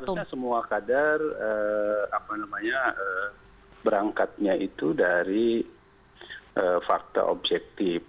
seharusnya semua kadar apa namanya berangkatnya itu dari fakta objektif